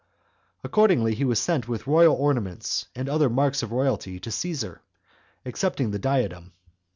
Accordingly, he was sent with royal ornaments, and other marks of royalty, to Caesar, excepting the diadem.